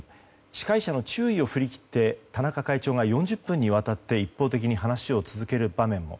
司会者の注意を振り切って田中会長が４０分にわたって一方的に話を続ける場面も。